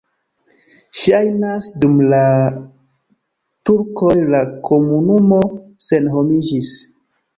Ŝajnas, dum la turkoj la komunumo senhomiĝis.